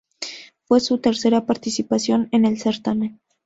Fue su tercera participación en el certamen.